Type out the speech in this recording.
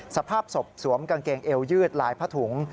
สภาพศพสวมกางเกงเอวยืดลายผ้าถุง